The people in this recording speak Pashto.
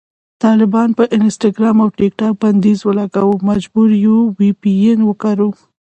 طالبانو په انسټاګرام او ټیکټاک بندیز ولګاوو، مجبور یو وي پي این وکاروو